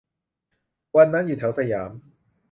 วันนั้นอยู่แถวสยาม